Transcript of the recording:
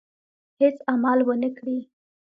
هېڅ عمل ونه کړي.